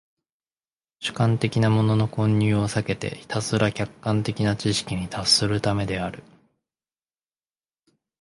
主観的なものの混入を避けてひたすら客観的な知識に達するためである。